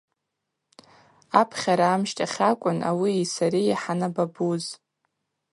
Апхьара амщтахь акӏвын ауии сари хӏанабабуз.